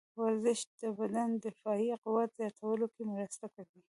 ورزش د بدن د دفاعي قوت زیاتولو کې مرسته کوي.